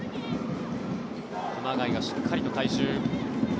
熊谷がしっかりと回収。